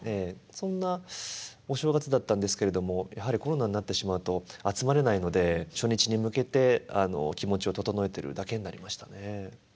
そんなお正月だったんですけれどもやはりコロナになってしまうと集まれないので初日に向けて気持ちを整えてるだけになりましたね。